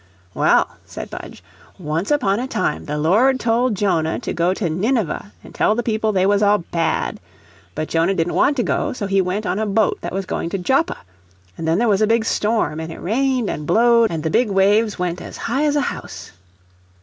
"Well," said Budge, "once upon a time the Lord told Jonah to go to Nineveh and tell the people they was all bad. But Jonah didn't want to go, so he went on a boat that was going to Joppa. And then there was a big storm, an' it rained an' blowed and the big waves went as high as a house.